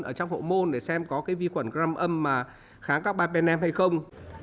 ở trong hộ môn để xem có cái vi khuẩn gram âm mà kháng các bạn bên em hay không